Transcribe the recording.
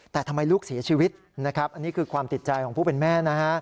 แต่ทำไมลูกเสียชีวิตนะครับอันนี้คือความติดใจของผู้เป็นแม่นะฮะ